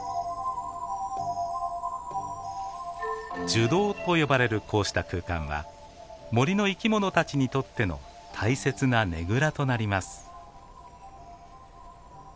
「樹洞」と呼ばれるこうした空間は森の生き物たちにとっての大切なねぐらとなります。